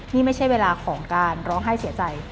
นี่ไม่ใช่เวลาของการร้องไห้เสียใจ